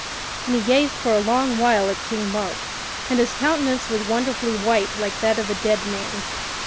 And he gazed for a long while at King Mark, and his countenance was wonderfully white like that of a dead man.